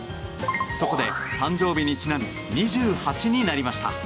そこで、誕生日にちなみ２８になりました。